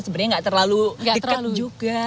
sebenarnya nggak terlalu dekat juga